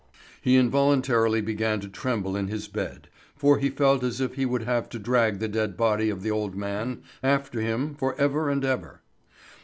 He involuntarily began to tremble in his bed, for he felt as if he would have to drag the dead body of the old man after him for ever and ever.